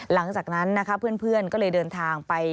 หลังจากนั้นนะคะเพื่อนก็เลยเดินทางไป